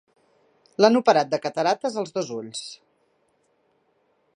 L'han operat de cataractes als dos ulls.